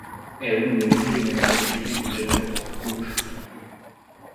È uno dei membri meno conosciuti di un genere poco conosciuto.